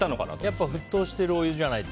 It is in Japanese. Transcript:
やっぱ沸騰してるお湯じゃないと。